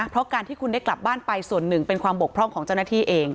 เพราะการที่คุณได้กลับบ้านไปส่วนหนึ่งเป็นความบกพร่องของเจ้าหน้าที่เอง